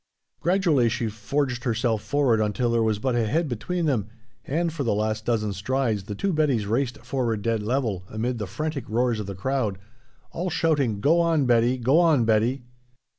Gradually she forged herself forward until there was but a head between them, and for the last dozen strides the two Bettys raced forward dead level amid the frantic roars of the crowd, all shouting, "Go on, Betty! Go on, Betty!"